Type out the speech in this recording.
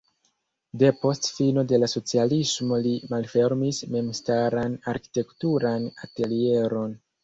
Depost fino de la socialismo li malfermis memstaran arkitekturan atelieron.